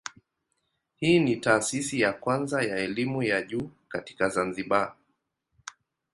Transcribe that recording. Hii ni taasisi ya kwanza ya elimu ya juu katika Zanzibar.